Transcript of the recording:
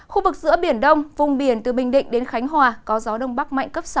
khu vực giữa biển đông vùng biển từ bình định đến khánh hòa có gió đông bắc mạnh cấp sáu